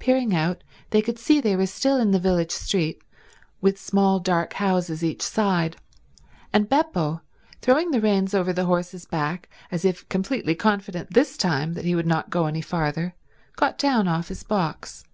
Peering out they could see they were still in the village street, with small dark houses each side; and Beppo, throwing the reins over the horse's back as if completely confident this time that he would not go any farther, got down off his box.